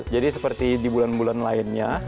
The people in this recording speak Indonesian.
jadi seperti di bulan bulan lainnya